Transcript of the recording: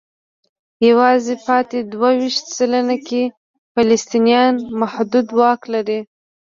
یوازې پاتې دوه ویشت سلنه کې فلسطینیان محدود واک لري.